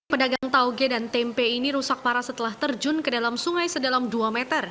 pedagang tauge dan tempe ini rusak parah setelah terjun ke dalam sungai sedalam dua meter